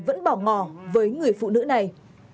vẫn bỏ ngỏ với người phụ nữ này